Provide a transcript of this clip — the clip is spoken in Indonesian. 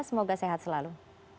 semoga sehat selalu